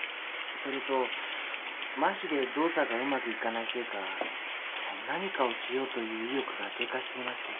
それと麻痺で動作がうまくいかないせいかこう何かをしようという意欲が低下していまして。